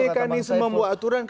mekanisme membuat aturan